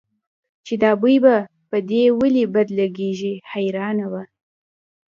چې دا بوی به په دې ولې بد لګېږي حیرانه وه.